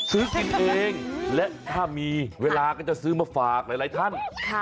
ซื้อกินเองและถ้ามีเวลาก็จะซื้อมาฝากหลายท่าน